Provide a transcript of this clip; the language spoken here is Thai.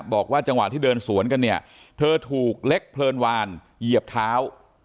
บอกว่าจังหวะที่เดินสวนกันเนี่ยเธอถูกเล็กเพลินวานเหยียบเท้า